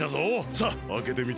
さああけてみて。